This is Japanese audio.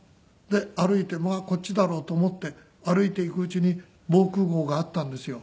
歩いてこっちだろうと思って歩いていくうちに防空壕があったんですよ。